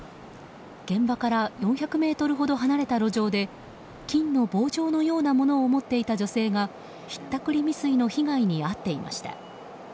現場から４００ｍほど離れた路上で金の棒状のようなものを持っていた女性がひったくり未遂の被害に遭っていました。